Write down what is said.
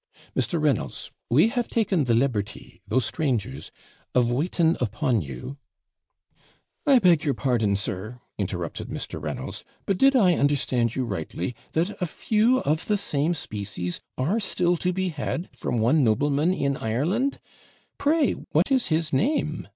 'Mr. Reynolds, we have taken the liberty, though strangers, of waiting upon you ' 'I beg your pardon, sir,' interrupted Mr. Reynolds; 'but did I understand you rightly, that a few of the same species are still to be had from one nobleman in Ireland? pray, what is his name?'